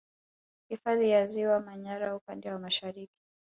Hifadhi ya ziwa Manyara upande wa Mashariki